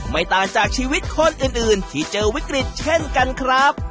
ไม่ต่างจากชีวิตคนอื่นที่เจอวิกฤตเช่นกันครับ